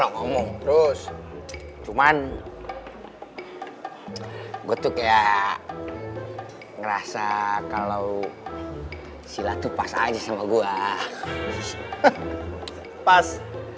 ngomong terus cuman gue tuh kayak ngerasa kalau silatu pas aja sama gue pas